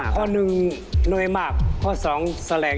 ก็จะเหนื่อยอย่างนี้ครับ